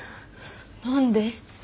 何で？